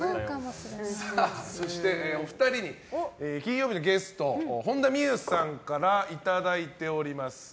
そして、お二人に金曜日のゲスト本田望結さんからいただいております。